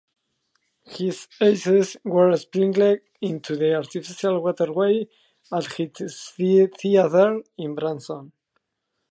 His ashes were sprinkled into the artificial waterway at his theater in Branson.